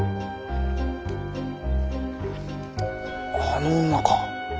あの女か？